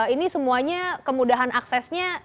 ini semuanya kemudahan aksesnya